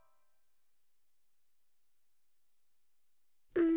うん？